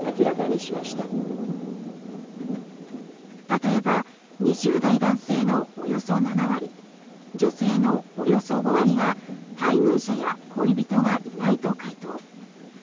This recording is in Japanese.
例えば２０代男性のおよそ７割女性のおよそ５割が配偶者や恋人がいないと回答。